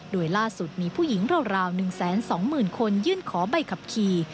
โดยล่าสุดมีผู้หญิงราวหนึ่งแสนสองหมื่นคนยื่นขอใบขับขี่